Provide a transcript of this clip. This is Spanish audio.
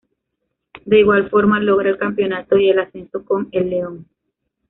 De igual forma, logra el Campeonato y el Ascenso con el León.